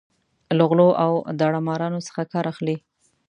له غلو او داړه مارانو څخه کار اخلي.